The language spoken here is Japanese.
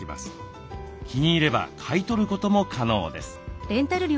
気に入れば買い取ることも可能です。